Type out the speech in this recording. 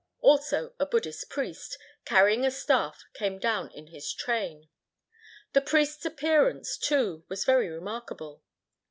Also a Buddhist priest, carrying a staff, came down in his train. The priest's appearance, too, was very remarkable.